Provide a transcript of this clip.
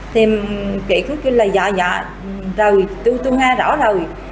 thì chị cứ kêu là dọa dọa rồi tôi nghe rõ rồi